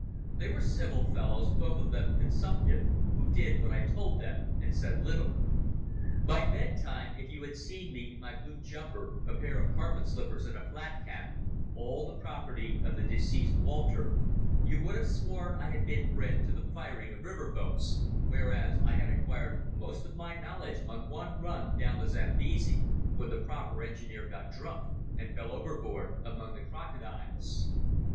They were civil fellows, both of them consumptive, who did what I told them and said little. By bedtime, if you had seen me in my blue jumper, a pair of carpet slippers, and a flat cap—all the property of the deceased Walter—you would have sworn I had been bred to the firing of river boats, whereas I had acquired most of my knowledge on one run down the Zambesi, when the proper engineer got drunk and fell overboard among the crocodiles.